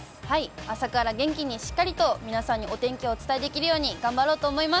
朝から元気に、しっかりと皆さんにお天気をお伝えできるように、頑張ろうと思います。